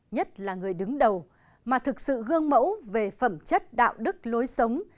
nhất là người đứng đầu mà thực sự gương mẫu về phẩm chất đạo đức lối sống